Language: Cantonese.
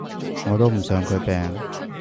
我都唔想佢病